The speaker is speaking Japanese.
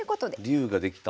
竜ができた。